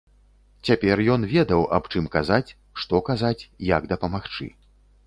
Цяпер ён ведаў, аб чым казаць, што казаць, як дапамагчы.